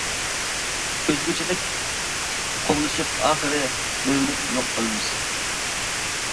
ئۆزگىچىلىك قوغلىشىپ ئاخىرى بۆلۈنۈپ يوق بولىمىز.